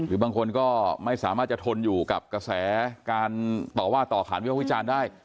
บางคนก็ไม่สามารถจะทนอยู่กับกระแสการต่อว่าต่อขานวิภาควิจารณ์ได้